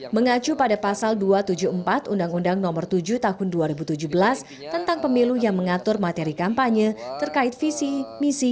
mengacu pada pasal dua ratus tujuh puluh empat undang undang nomor tujuh tahun dua ribu tujuh belas tentang pemilu yang mengatur materi kampanye terkait visi misi